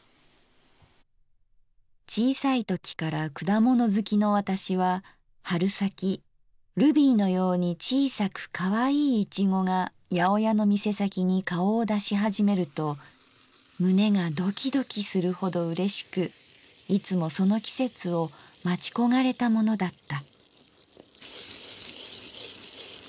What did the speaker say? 「小さいときから果物好きの私は春先ルビーのように小さく可愛い苺が八百屋の店先に顔を出しはじめると胸がドキドキするほど嬉しくいつもその季節を待ち焦がれたものだった」。